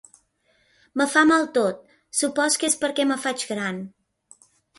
Me fa mal tot; supòs que és perquè me faig gran.